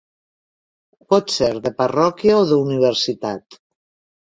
Pot ser de parròquia o d'universitat.